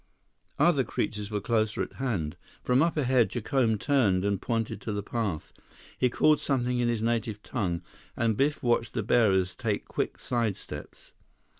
Other creatures were closer at hand. From up ahead, Jacome turned and pointed to the path. He called something in his native tongue, and Biff watched the bearers take quick sidesteps.